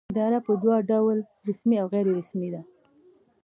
اداره په دوه ډوله رسمي او غیر رسمي ده.